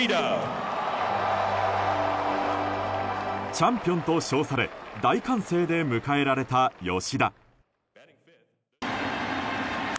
チャンピオンと称され大歓声で迎えられた吉田。